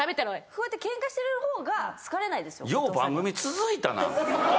そうやってケンカしてる方が好かれないですよ。